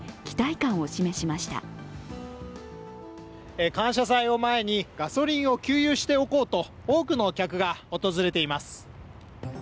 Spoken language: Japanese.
感謝祭を前にガソリンを給油しておこうと多くの客が訪れています。